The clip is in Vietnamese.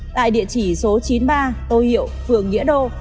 tại địa chỉ số chín mươi ba tô hiệu phường nghĩa đô